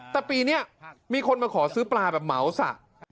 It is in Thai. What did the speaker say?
แต่ปีนี้มีคนมาขอซื้อปลาแบบเหมาสะ